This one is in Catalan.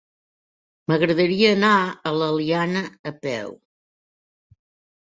M'agradaria anar a l'Eliana a peu.